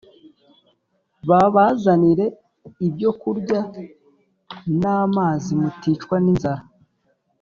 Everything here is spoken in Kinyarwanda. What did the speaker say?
babazanire ibyokurya n amazimuticwa ninzara